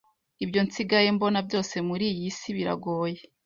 Ibyo nsigaye mbona byose muriy isi biragoye